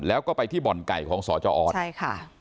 แล้วก็ไปที่บ่อนไก่ของสจออสใช่ค่ะ